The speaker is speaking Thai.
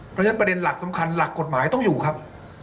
เพราะฉะนั้นประเด็นหลักสำคัญหลักกฎหมายต้องอยู่ครับ